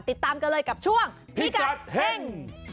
ติดตามกันเลยกับช่วงพิกัดเฮ่ง